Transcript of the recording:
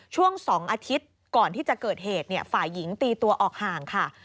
ช่วง๒อาทิตย์ก่อนที่จะเกิดเหตุฝ่ายหญิงตีตัวออกห่างค่ะ